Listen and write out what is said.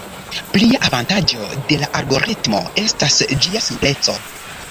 Plia avantaĝo de la algoritmo estas ĝia simpleco.